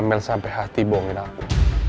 amen sampai hati bohongin aku